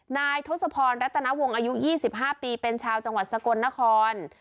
ทศพรรัตนวงอายุ๒๕ปีเป็นชาวจังหวัดสกลนคร